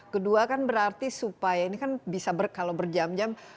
kedua kan berarti supaya ini kan bisa kalau berjam jam